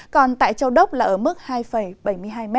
còn tại châu đốc là ở mức hai bảy mươi hai m